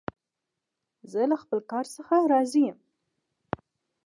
زه له خپل کار راضي یم.